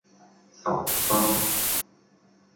十三